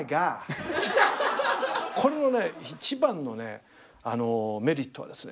これのね一番のメリットはですね